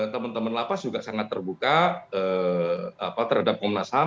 teman teman lapas juga sangat terbuka terhadap komnas ham